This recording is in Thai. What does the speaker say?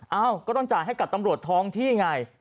เอ้าก็ต้องจ่ายให้กับตำรวจท้องที่ไง